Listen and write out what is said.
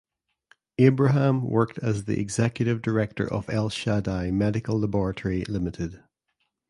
Abraham worked as the executive director of El Shaddai Medical Laboratory Limited.